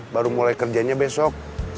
baru mulai kerjanya berhasilnya